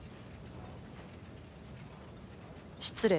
失礼。